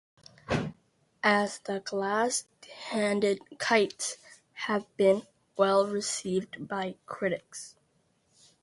"And the Glass Handed Kites" has been well received by critics.